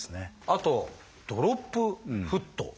あと「ドロップフット」。